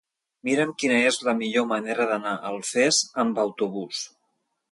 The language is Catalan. Mira'm quina és la millor manera d'anar a Alfés amb autobús.